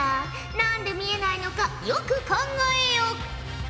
何で見えないのかよく考えよ！